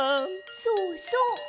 そうそう。